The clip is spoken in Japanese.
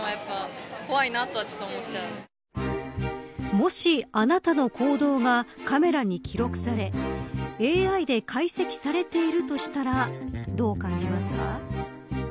もし、あなたの行動がカメラに記録されＡＩで解析されているとしたらどう感じますか。